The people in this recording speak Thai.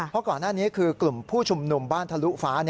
เพราะก่อนหน้านี้คือกลุ่มผู้ชุมนุมบ้านทะลุฟ้า